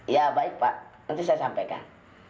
ya baik pak nanti saya sampaikan